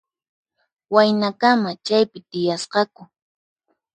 Waynakama chaypi tiyasqaku.